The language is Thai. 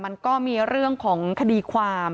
มันก็มีเรื่องของคดีความ